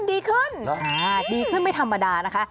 ดีขึ้นไม่ธรรมดานะคะ